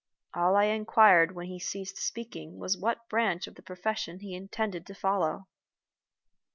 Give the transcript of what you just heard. All I inquired when he ceased speaking was what branch of the profession he intended to follow.